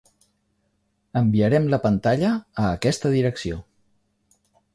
Enviarem la pantalla a aquesta direcció.